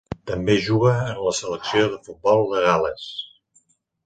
També juga en la selecció de futbol de Gal·les.